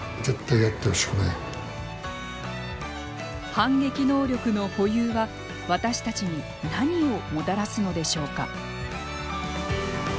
反撃能力の保有は私たちに何をもたらすのでしょうか。